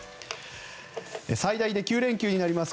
最大で９連休になります